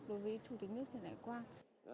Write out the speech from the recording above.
đối với chủ tịch nước trần đại quang